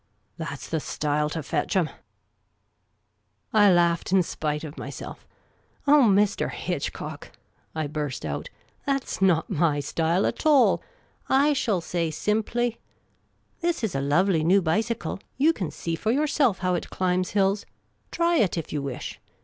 ' That 's the style to fetch 'em !" I laughed, in spite of myself " Oh, Mr. Hitchcock," I burst out, " that 's not my style at all. I shall say simply, ' This is a lovely new bicycle. You can see for yourself how it climbs hills. Try it, if you wish.